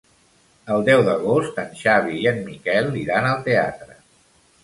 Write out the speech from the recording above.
El deu d'agost en Xavi i en Miquel iran al teatre.